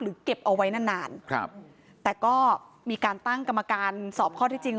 เก็บเอาไว้นานนานครับแต่ก็มีการตั้งกรรมการสอบข้อที่จริง